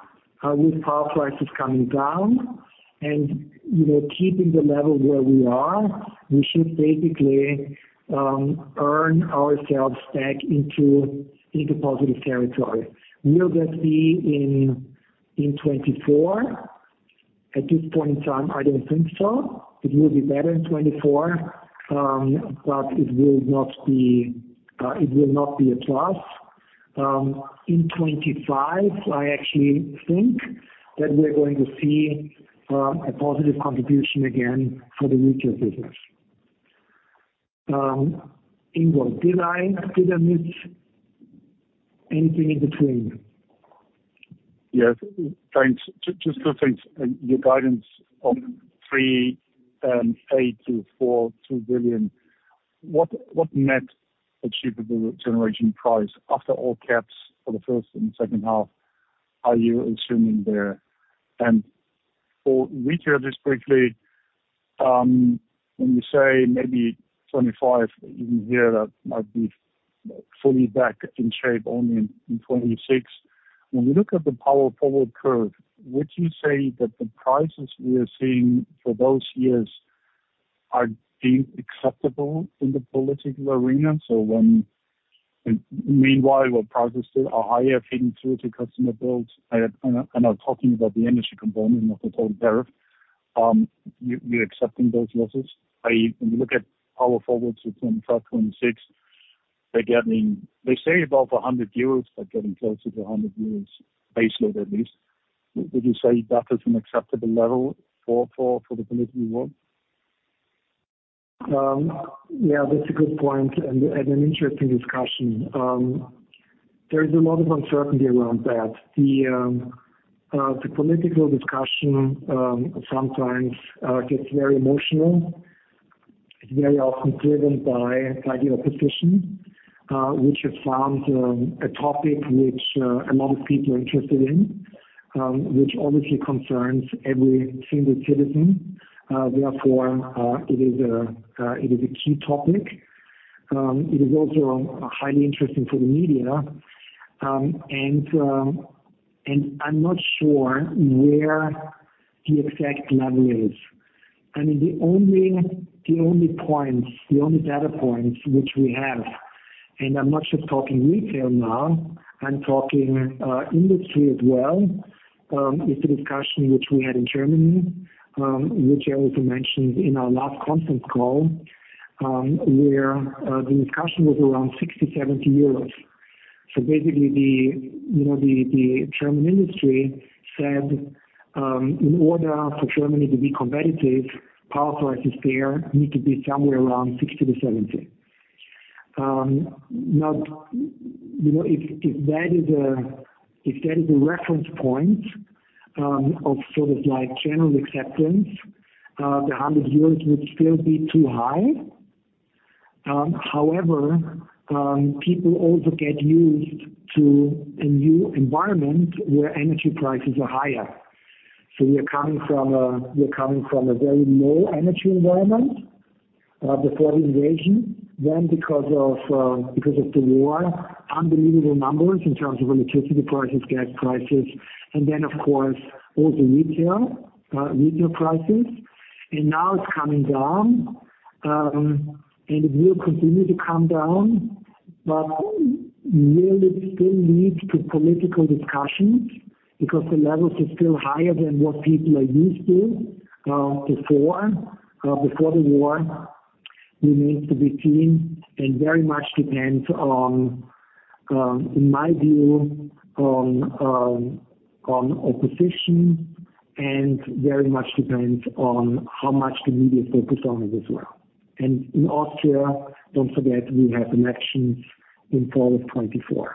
with power prices coming down and, you know, keeping the level where we are, we should basically earn ourselves back into positive territory. Will that be in 2024? At this point in time, I don't think so. It will be better in 2024, but it will not be a plus. In 2025, I actually think that we're going to see a positive contribution again for the retail business. Ingo, did I miss anything in between? Yes. Thanks. Just to your guidance on 3.8 billion-4.2 billion, what net achievable generation price after all CapEx for the first and second half are you assuming there? For retail, just quickly, when you say maybe 2025, even here, that might be fully back in shape only in 2026. When we look at the power forward curve, would you say that the prices we are seeing for those years are deemed acceptable in the political arena? Meanwhile, what prices are higher feeding through to customer bills, I, and I'm talking about the energy component of the total tariff. You, you're accepting those losses. When you look at power forwards with 2025, 2026, they're getting, they say, about 100 euros, but getting closer to 100 euros, baseload, at least. Would you say that is an acceptable level for the political world? Yeah, that's a good point and an interesting discussion. There is a lot of uncertainty around that. The political discussion sometimes gets very emotional. It's very often driven by regular opposition, which has found a topic which a lot of people are interested in, which obviously concerns every single citizen. Therefore, it is a key topic. It is also highly interesting for the media. I'm not sure where the exact level is. I mean, the only, the only points, the only data points which we have, and I'm not just talking retail now, I'm talking industry as well, is the discussion which we had in Germany, which I also mentioned in our last conference call, where the discussion was around 60-70 euros. Basically the, you know, the German industry said, in order for Germany to be competitive, power prices there need to be somewhere around 60-70. Now, you know, if that is a reference point, of sort of like general acceptance, the EUR 100 would still be too high. However, people also get used to a new environment where energy prices are higher. We are coming from a very low energy environment before the invasion. Because of the war, unbelievable numbers in terms of electricity prices, gas prices, and then, of course, also retail prices. Now it's coming down, and it will continue to come down, but will it still lead to political discussions? Because the levels are still higher than what people are used to before the war. It remains to be seen and very much depends on, in my view, on opposition, and very much depends on how much the media focus on it as well. In Austria, don't forget, we have elections in fall of 2024.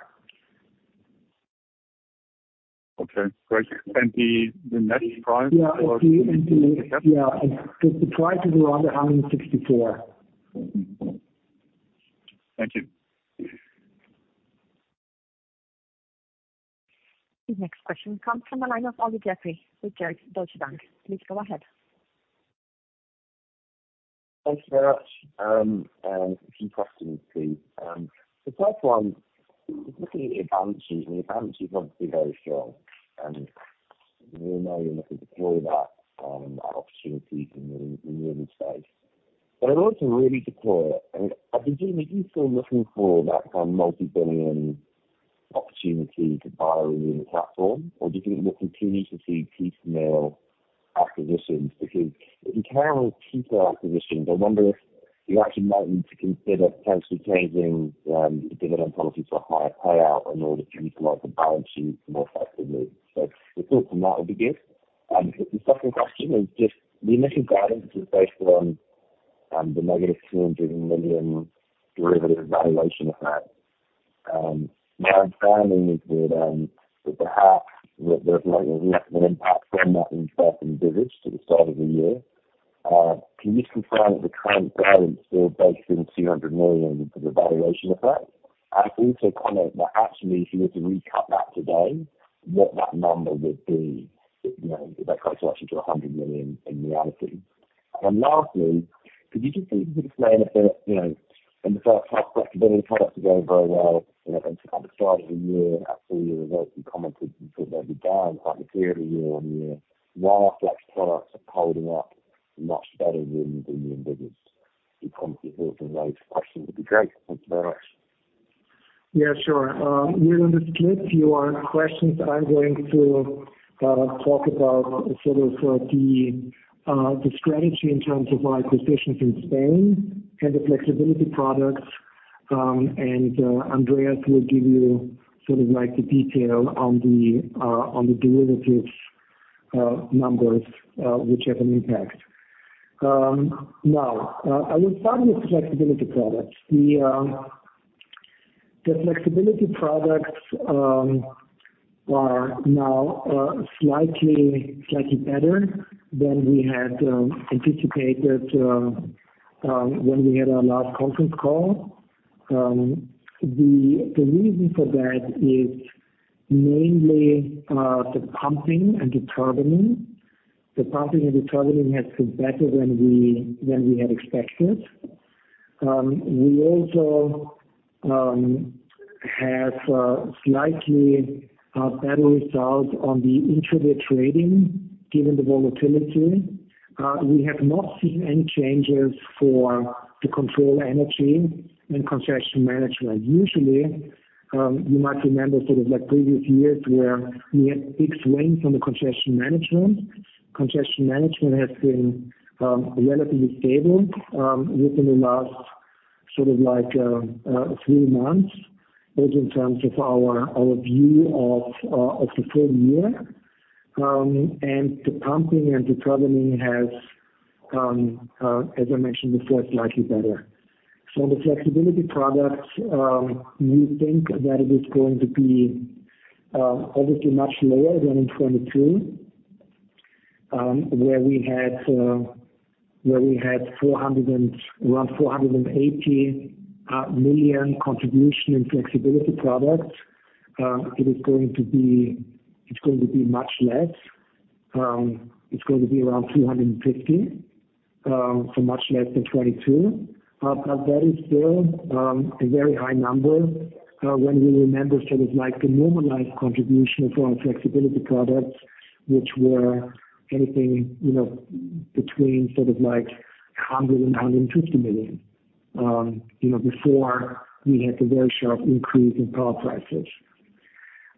Okay, great. The net price? The price is around 164. Thank you. The next question comes from the line of Olly Jeffery with Deutsche Bank. Please go ahead. Thanks very much. A few questions, please. The first one, looking at your balances, your balances are obviously very strong, and we know you're looking to deploy that opportunity in the energy space. In order to really deploy it, I presume that you're still looking for that kind of multi-billion opportunity to buy within the platform, or do you think we'll continue to see piecemeal acquisitions? If you carry on with piecemeal acquisitions, I wonder if you actually might need to consider potentially changing your dividend policy to a higher payout in order to utilize the balances more effectively. Your thoughts on that would be good. The second question is just, the initial guidance is based on the negative 200 million derivative valuation effect. My understanding is that perhaps there's like less of an impact from that in price and business to the start of the year. Can you confirm if the current balance still based in 200 million for the valuation effect? Also comment that actually, if you were to recut that today, what that number would be, you know, if that closer to 100 million in reality. Lastly, could you just explain a bit, you know, in the first half flexibility products are going very well, you know, and at the start of the year, at full year results, you commented that they'd be down quite material year-on-year. Why are flex products holding up much better than you envisaged in terms of those questions would be great. Thanks very much. Yeah, sure. We're going to split your questions. I'm going to talk about sort of the the strategy in terms of our acquisitions in Spain and the flexibility products. And Andreas will give you sort of like the detail on the on the derivatives numbers which have an impact. Now, I will start with flexibility products. The flexibility products are now slightly better than we had anticipated when we had our last conference call. The reason for that is mainly the pumping and the turbining. The pumping and the turbining has been better than we had expected. We also have slightly better results on the intraday trading, given the volatility. We have not seen any changes for the control energy and concession management. Usually, you might remember sort of like previous years where we had big swings on the concession management. Concession management has been relatively stable within the last sort of like three months, both in terms of our view of the full year. The pumping and the turbining has, as I mentioned before, slightly better. The flexibility products, we think that it is going to be obviously much lower than in 2022, where we had around 480 million contribution in flexibility products. It's going to be much less. It's going to be around 250 million, so much less than 2022. That is still a very high number when we remember the normalized contribution for our flexibility products, which were anything between 100 million and 150 million before we had the very sharp increase in power prices.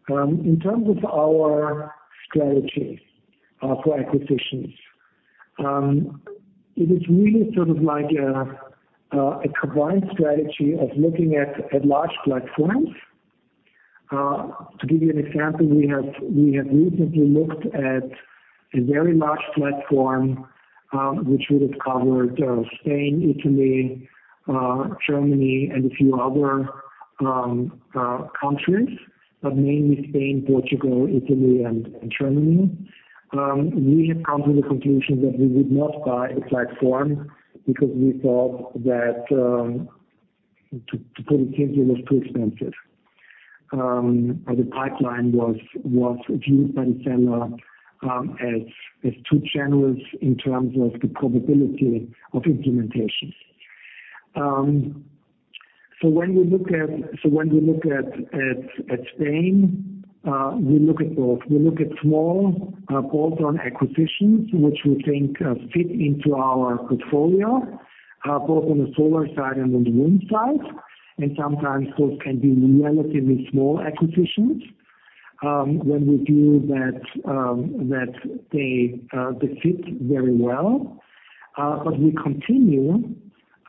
In terms of our strategy for acquisitions, it is really a combined strategy of looking at large platforms. To give you an example, we have recently looked at a very large platform, which would have covered Spain, Italy, Germany, and a few other countries, but mainly Spain, Portugal, Italy, and Germany. We have come to the conclusion that we would not buy a platform because we thought that, to put it clearly, it was too expensive. The pipeline was viewed by the seller as too generous in terms of the probability of implementation. When we look at Spain, we look at both. We look at small bolt-on acquisitions, which we think fit into our portfolio, both on the solar side and on the wind side. Sometimes those can be relatively small acquisitions, when we feel that they fit very well. We continue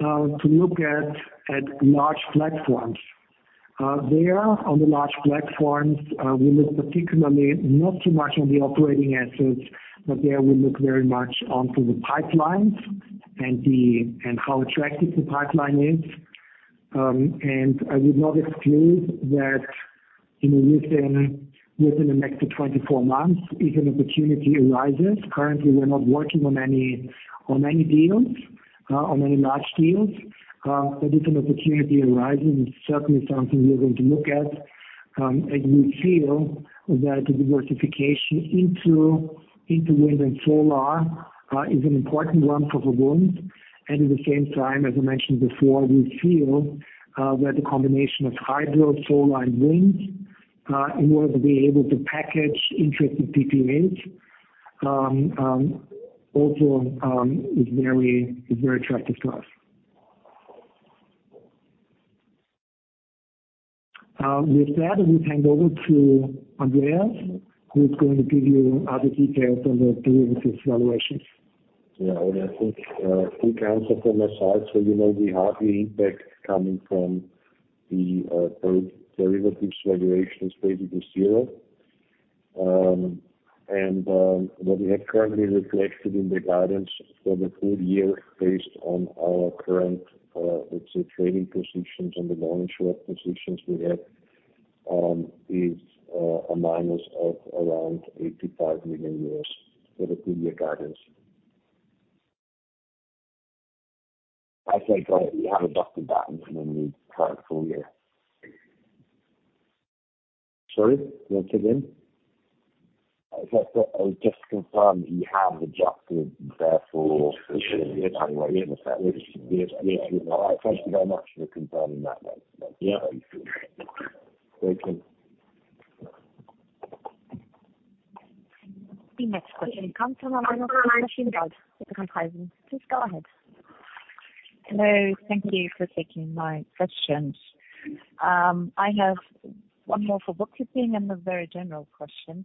to look at large platforms. There on the large platforms, we look particularly not too much on the operating assets, but there we look very much onto the pipelines and how attractive the pipeline is. I would not exclude that, you know, within the next 24 months, if an opportunity arises. Currently, we're not working on any deals, on any large deals, but if an opportunity arises, it's certainly something we are going to look at. We feel that the diversification into wind and solar is an important one for the group. At the same time, as I mentioned before, we feel that the combination of hydro, solar, and wind in order to be able to package interesting PPAs also is very attractive to us. With that, we hand over to Andreas, who is going to give you other details on the derivatives valuations. Yeah, I think, quick answer from my side. You know, we have the impact coming from the derivatives valuations, basically zero. ... what we have currently reflected in the guidance for the full year, based on our current, let's say, trading positions and the long short positions we have, is a minus of around 85 million euros for the full year guidance. I think we have adjusted that and then we try it full year. Sorry, say again. Just to confirm, you have adjusted therefore- Yes. Thank you very much for confirming that. Yeah. Thank you. The next question comes from Anastasia from Commerzbank. Please go ahead. Hello. Thank you for taking my questions. I have one more for bookkeeping and a very general question.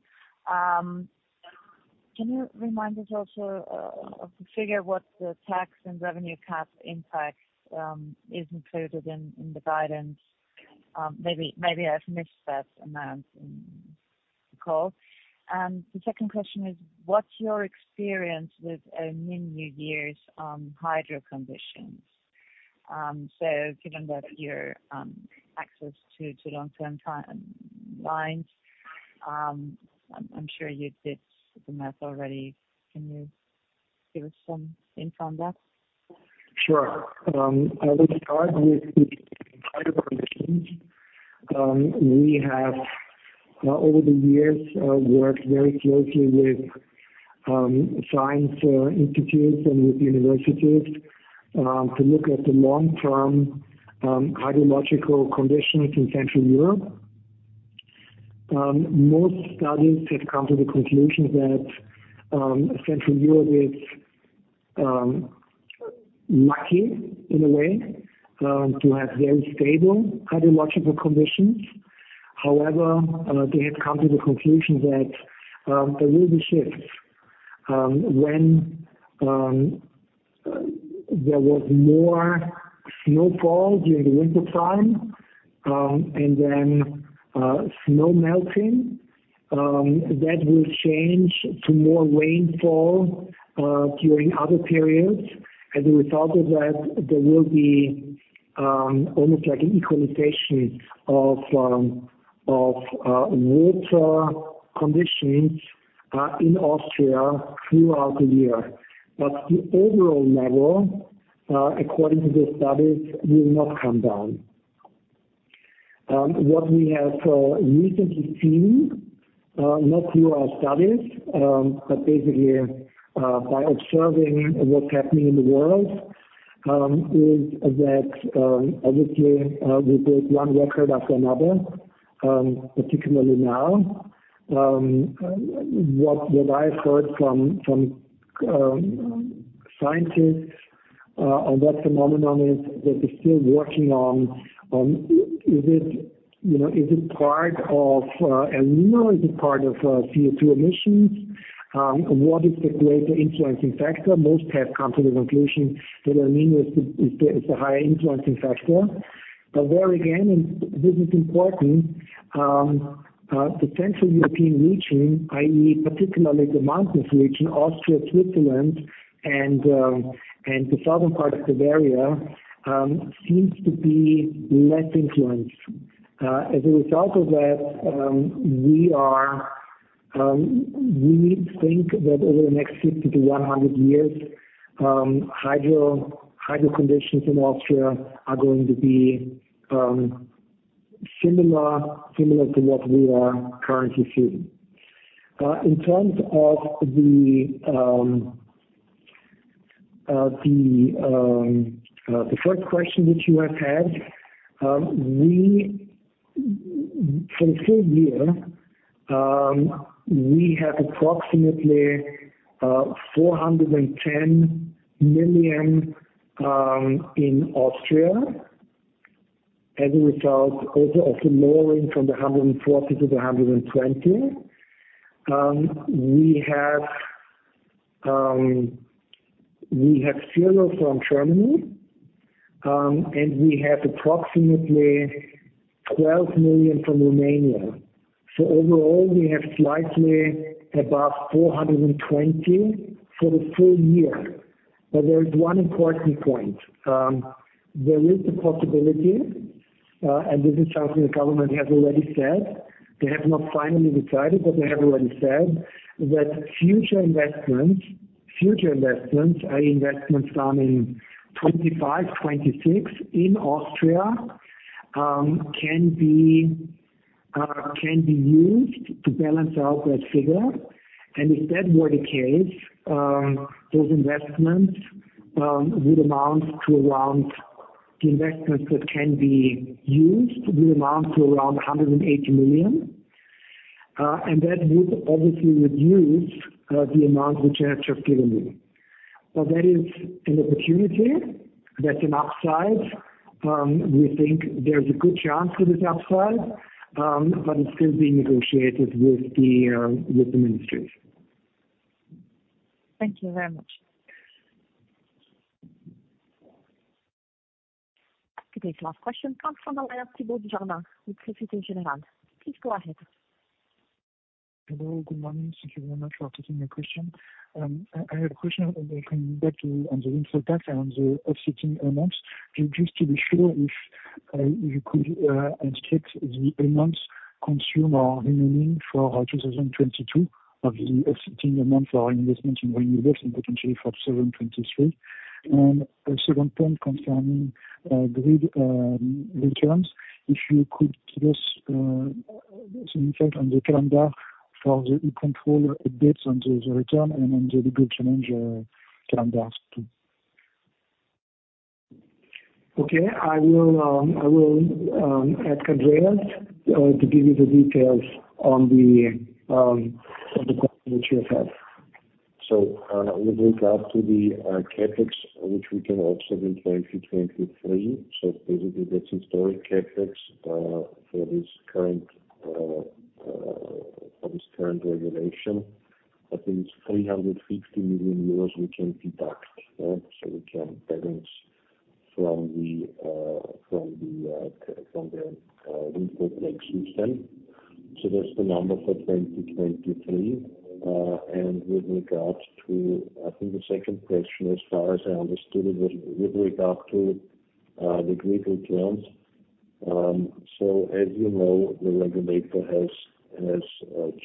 Can you remind us also of the figure, what the tax and revenue cap impact is included in the guidance? Maybe I've missed that amount in the call. The second question is, what's your experience with many years, hydro conditions? Given that your access to long-term time lines, I'm sure you did the math already. Can you give us some insight on that? Sure. I will start with the hydro conditions. We have over the years worked very closely with science institutes and with universities to look at the long-term hydrological conditions in Central Europe. Most studies have come to the conclusion that Central Europe is lucky in a way to have very stable hydrological conditions. However, they have come to the conclusion that there will be shifts. When there was more snowfall during the wintertime, and then snow melting, that will change to more rainfall during other periods. As a result of that, there will be almost like an equalization of water conditions in Austria throughout the year. The overall level, according to the studies, will not come down. What we have recently seen, not through our studies, but basically by observing what's happening in the world, is that obviously we break one record after another, particularly now. What I've heard from scientists on that phenomenon is that they're still working on, is it, you know, is it part of El Niño, is it part of CO2 emissions? What is the greater influencing factor? Most have come to the conclusion that El Niño is the higher influencing factor. There again, and this is important, the Central European region, i.e., particularly the mountainous region, Austria, Switzerland, and the southern part of Bavaria, seems to be less influenced. As a result of that, we think that over the next 50 to 100 years, hydro conditions in Austria are going to be similar to what we are currently seeing. In terms of the first question that you have had, for the full year, we have approximately 410 million in Austria, as a result also of the lowering from the 140 to the 120. We have EUR zero from Germany, and we have approximately 12 million from Romania. Overall, we have slightly above 420 for the full year. There is one important point. There is a possibility, and this is something the government has already said. They have not finally decided, but they have already said that future investments, i.e., investments starting 2025, 2026 in Austria, can be used to balance out that figure. If that were the case, those investments, the investments that can be used, will amount to around 180 million. That would obviously reduce the amount which I have just given you. That is an opportunity. That's an upside. We think there's a good chance for this upside, but it's still being negotiated with the ministries. Thank you very much. Today's last question comes from the line Thibault Jeannin with Société Générale. Please go ahead. Hello, good morning. Thank Thank you very much for taking my question. I had a question on the info tax and the offsetting amounts. Just to be sure if you could indicate the amounts consumed or remaining for our 2022, of the offsetting amount for our investment in renewables and potentially for 2023. A second point concerning the grid returns, if you could give us some insight on the calendar for the E-Control updates on the return and on the legal challenge calendars, too. Okay, I will ask Andreas to give you the details on the questions which you have. With regard to the CapEx, which we can also in 2023, so basically that's historic CapEx for this current for this current regulation. I think it's 360 million euros we can deduct, yeah. So we can balance from the from the from the info tax system. So that's the number for 2023. And with regard to, I think the second question, as far as I understood it, with regard to the grid returns. So as you know, the regulator has has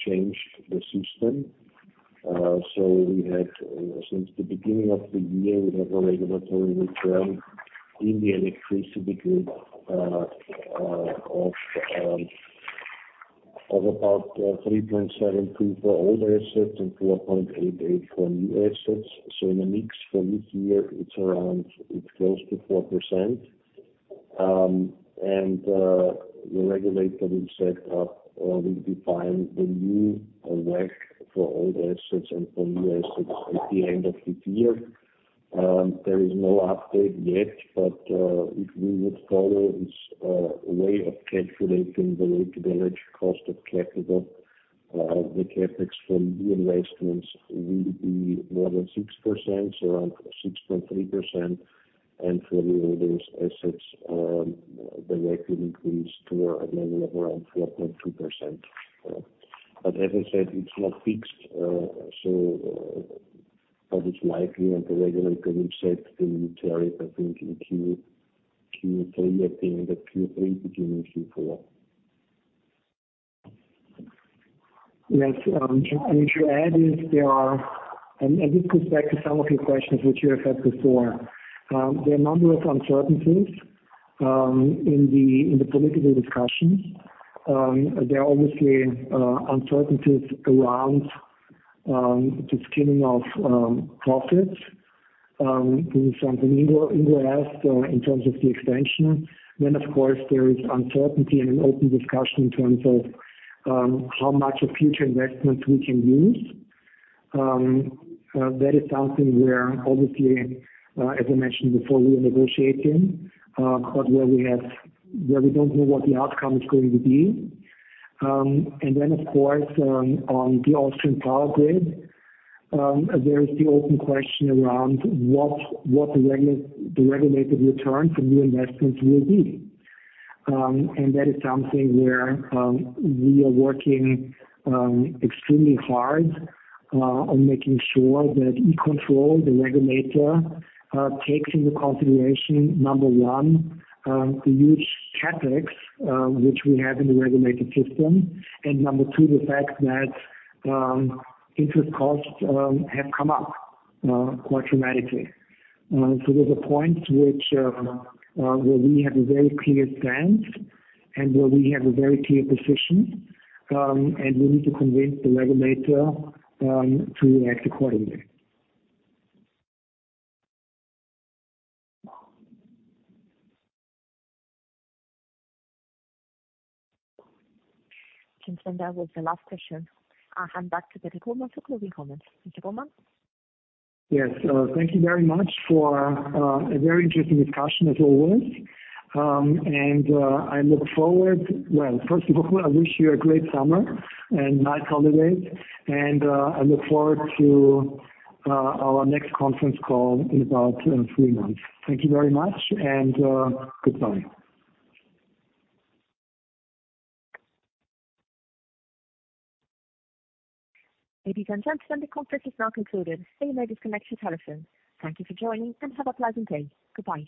changed the system. So we had since the beginning of the year, we have a regulatory return in the electricity group of of about 3.72 for older assets and 4.88 for new assets. In the mix for this year, it's close to 4%. The regulator will set up or will define the new WACC for old assets and for new assets at the end of this year. There is no update yet, if we would follow this way of calculating the weighted average cost of capital, the CapEx for new investments will be more than 6%, so around 6.3%. For the older assets, directly increased to a level around 4.2%. As I said, it's not fixed, it's likely that the regulator will set the new tariff, I think, in Q3 between Q4. Yes, to add is there are. This goes back to some of your questions, which you have had before. There are a number of uncertainties in the political discussions. There are obviously uncertainties around the skimming of profits in some in the U.S. in terms of the extension. Of course, there is uncertainty and an open discussion in terms of how much of future investments we can use. That is something where obviously, as I mentioned before, we are negotiating, but where we don't know what the outcome is going to be. Of course, on the Austrian Power Grid, there is the open question around what the regulated return from new investments will be. That is something where we are working extremely hard on making sure that E-Control, the regulator, takes into consideration, number one, the huge CapEx, which we have in the regulated system. Number two, the fact that interest costs have come up quite dramatically. There's a point which where we have a very clear stance, and where we have a very clear position, and we need to convince the regulator to act accordingly. That was the last question. I'll hand back to Peter Kollmann for closing comments. Mr. Kollmann? Yes. Thank you very much for a very interesting discussion, as always. Well, first of all, I wish you a great summer and nice holidays. I look forward to our next conference call in about three months. Thank you very much. Goodbye. Ladies and gentlemen, the conference is now concluded. You may disconnect your telephones. Thank you for joining, and have a pleasant day. Goodbye.